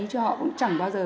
chứ họ cũng chẳng bao giờ